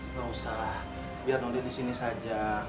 nggak usah biar nondi disini saja